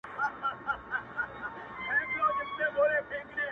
تر دوو سترګو یې بڅري غورځېدله -